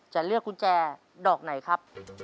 จะเลือกกุญแจดอกไหนครับ